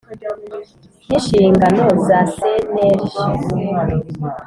N inshingano za cnlg